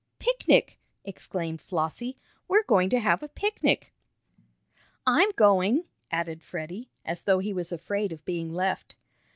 "Picnic!" exclaimed Flossie. "We're going to have a picnic!" "I'm going!" added Freddie, as though he was afraid of being left.